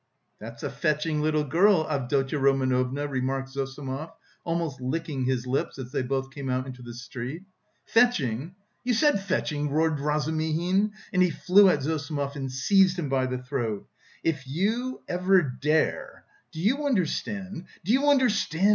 "That's a fetching little girl, Avdotya Romanovna," remarked Zossimov, almost licking his lips as they both came out into the street. "Fetching? You said fetching?" roared Razumihin and he flew at Zossimov and seized him by the throat. "If you ever dare.... Do you understand? Do you understand?"